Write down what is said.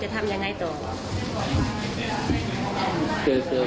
เจอพร้อมกันแต่น้องเขาเป็นคนหยิบขึ้นมา